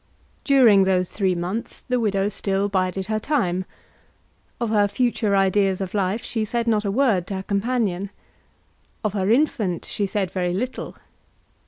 During those three months the widow still bided her time. Of her future ideas of life she said not a word to her companion. Of her infant she said very little.